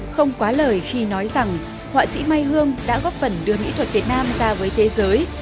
không quá lời khi nói rằng họa sĩ mai hương đã góp phần đưa mỹ thuật việt nam ra với thế giới